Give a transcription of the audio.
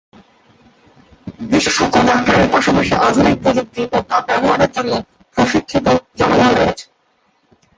বিশেষজ্ঞ ডাক্তারের পাশাপাশি আধুনিক প্রযুক্তি ও তা ব্যবহারের জন্য প্রশিক্ষিত জনবল রয়েছে।